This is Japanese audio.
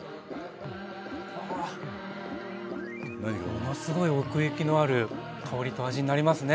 ものすごい奥行きのある香りと味になりますね。